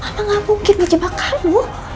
mama gak mungkin ngejebak kamu